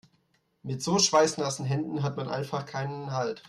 Mit so schweißnassen Händen hat man einfach keinen Halt.